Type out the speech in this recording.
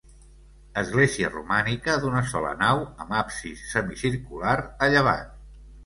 Església romànica d'una sola nau amb absis semicircular a llevant.